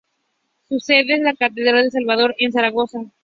Su sede es la Catedral del Salvador en Zaragoza.